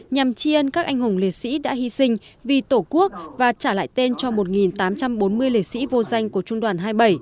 nhằm chi ân các anh hùng liệt sĩ đã hy sinh vì tổ quốc và trả lại tên cho một tám trăm bốn mươi liệt sĩ vô danh của trung đoàn hai mươi bảy